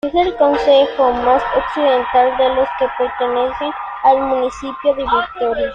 Es el concejo más occidental de los que pertenecen al municipio de Vitoria.